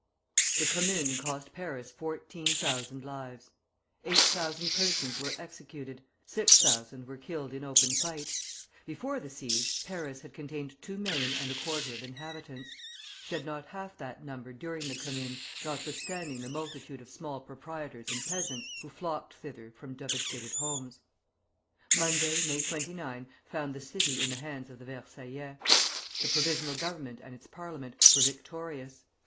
The Commune cost Paris fourteen thousand lives. Eight thousand persons were executed; six thousand were killed in open fight. Before the siege Paris had contained two million and a quarter of inhabitants: she had not half that number during the Commune, notwithstanding the multitude of small proprietors and peasants who had flocked thither from devastated homes. Monday, May 29, found the city in the hands of the Versaillais. The Provisional Government and its Parliament were victorious.